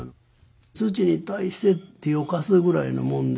土に対して手を貸すぐらいのもんで。